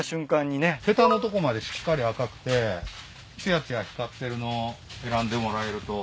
へたのとこまでしっかり赤くてつやつや光ってるのを選んでもらえると。